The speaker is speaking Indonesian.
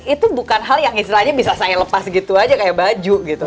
itu bukan hal yang istilahnya bisa saya lepas gitu aja kayak baju gitu